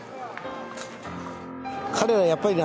彼らはやっぱりね